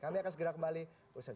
kami akan segera kembali usai